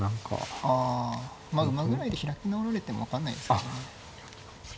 まあ馬ぐらいで開き直られても分かんないですけどね。